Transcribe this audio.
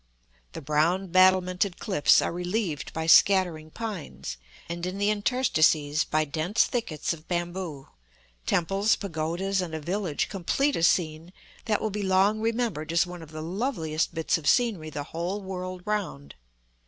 The brown battlemented cliffs are relieved by scattering pines, and in the interstices by dense thickets of bamboo; temples, pagodas, and a village complete a scene that will be long remembered as one of the loveliest bits of scenery the whole world round.